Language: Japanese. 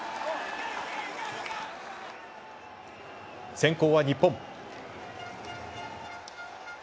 先攻は日本。